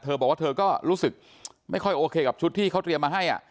บอกว่าเธอก็รู้สึกไม่ค่อยโอเคกับชุดที่เขาเตรียมมาให้